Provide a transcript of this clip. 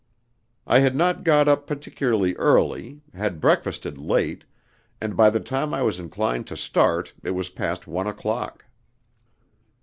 I had not got up particularly early, had breakfasted late, and by the time I was inclined to start it was past one o'clock.